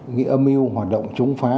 nghĩa mưu hoạt động chống phá